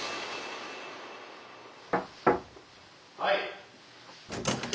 はい。